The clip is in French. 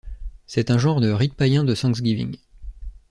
C'est un genre de rite païen de Thanksgiving.